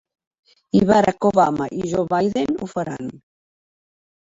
I Barack Obama i Joe Biden ho faran.